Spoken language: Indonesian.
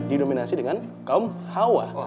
didominasi dengan kaum hawa